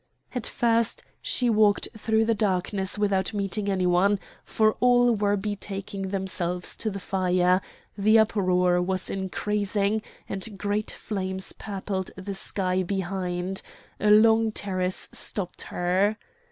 At first she walked through the darkness without meeting any one, for all were betaking themselves to the fire; the uproar was increasing and great flames purpled the sky behind; a long terrace stopped her.